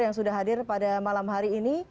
yang sudah hadir pada malam hari ini